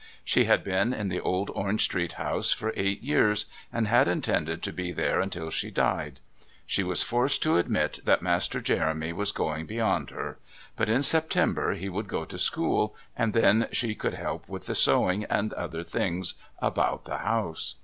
She had been in the old Orange Street house for eight years, and had intended to be there until she died. She was forced to admit that Master Jeremy was going beyond her; but in September he would go to school, and then she could help with the sewing and other things about the house.